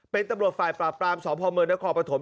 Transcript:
เป็นตำรวจฝ่ายปราบปรามสพเมืองนครปฐม